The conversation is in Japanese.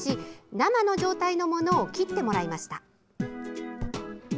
生の状態のものを切ってもらいました。